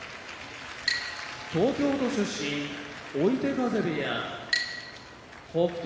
東京都出身追手風部屋北勝